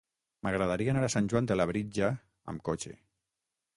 M'agradaria anar a Sant Joan de Labritja amb cotxe.